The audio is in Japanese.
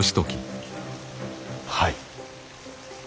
はい。